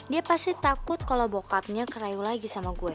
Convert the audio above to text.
dia pasti takut kalau bokapnya kerayu lagi sama gue